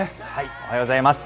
おはようございます。